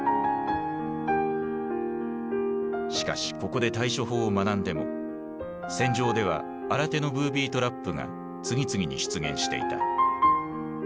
しかしここで対処法を学んでも戦場では新手のブービートラップが次々に出現していた。